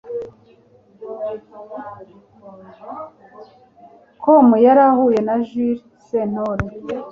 com yari ahuye na Jules Sentore